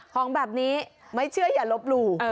ของแบบนี้ไม่เชื่ออย่าลบหลู่